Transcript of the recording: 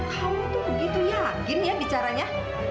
kamu tuh begitu yakin ya bicaranya